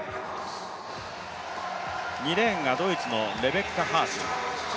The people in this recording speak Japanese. ２レーンがドイツのレベッカ・ハース。